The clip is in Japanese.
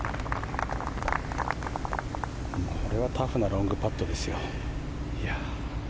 これはタフなロングパットですよ。